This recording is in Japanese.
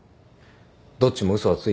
どっちも嘘はついてません。